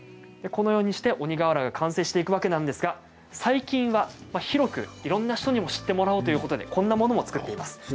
このようにして鬼がわらが完成していくわけなんですが最近は広くいろんな人にも知ってもらおうということでこんなものも作っています。